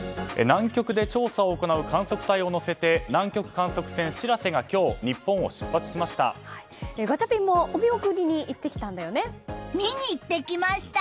南極で調査を行う観測隊を乗せて南極観測船「しらせ」今日、日本を出発しました。